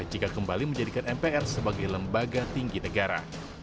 jika kembali menjadikan mpr sebagai lembaga tinggi negara